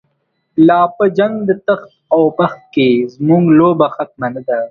لاپه جنګ دتخت اوبخت کی، زموږ لوبه ختمه نه ده